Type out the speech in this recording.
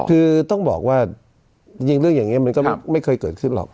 คือต้องบอกว่าจริงเรื่องอย่างนี้มันก็ไม่เคยเกิดขึ้นหรอก